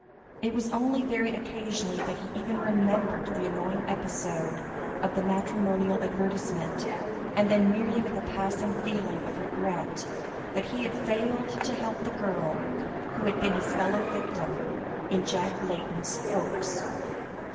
It was only very occasionally that he even remembered the annoying episode of the matrimonial advertisement, and then merely with a passing feeling of regret, that he had failed to help the girl who had been his fellow victim in Jack Layton's hoax.